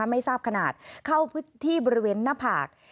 ไม่ทราบขนาดเข้าที่บริเวณหน้าผาก